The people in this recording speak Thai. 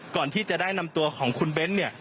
ก่อนที่จะได้นำตัวของคุณเบ้นเนี่ย